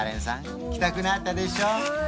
行きたくなったでしょ？